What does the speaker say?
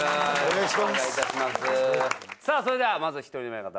さあそれではまず１人目の方。